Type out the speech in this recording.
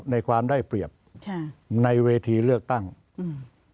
ในความได้เปรียบใช่ในเวทีเลือกตั้งอืม